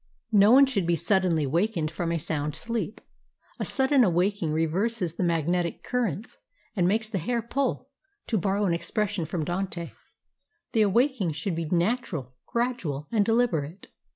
No one should be suddenly wakened from a sound sleep. A sudden awaking reverses the magnetic currents, and makes the hair pull, to borrow an expression from Dante. The awaking should be natural, gradual, and deliberate.